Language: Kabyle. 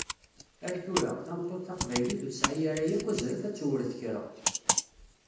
Ar tura, tameṭṭut taqbaylit ur tesɛi ara yakk azref ad tewṛet kra!